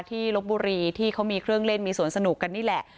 ลบบุรีที่เขามีเครื่องเล่นมีสวนสนุกกันนี่แหละ